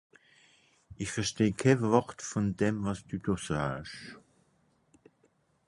Ìch versteh kenn Wort vùn dem, wàs dü do saasch.